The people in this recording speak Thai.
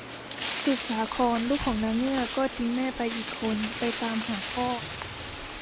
สุดสาคร ลูกของนางเงือกก็ทิ้งแม่ไปอีกคน ไปตามหาพ่อ